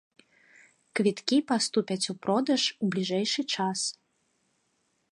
Квіткі паступяць у продаж у бліжэйшы час.